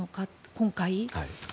今回。